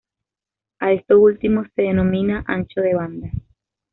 A esto último se denomina ancho de banda.